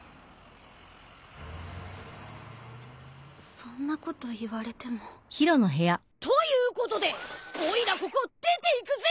そんなこと言われても。ということでおいらここ出ていくぜ！